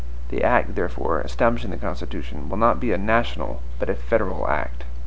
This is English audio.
The act, therefore, establishing the Constitution, will not be a NATIONAL, but a FEDERAL act.